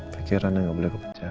fikiran saya tidak boleh kepecah